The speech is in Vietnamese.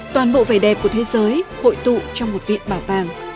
toàn bộ vẻ đẹp của thế giới hội tụ trong một viện bảo tàng